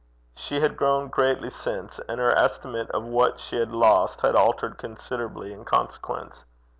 She had grown greatly since, and her estimate of what she had lost had altered considerably in consequence.